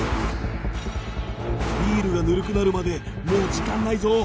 ビールがぬるくなるまでもう時間ないぞ！